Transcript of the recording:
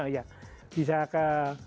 ya bisa ke